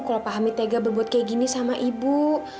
kalau pak hami tega berbuat kayak gini sama ibu